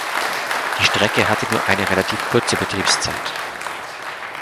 Die Strecke hatte nur eine relativ kurze Betriebszeit.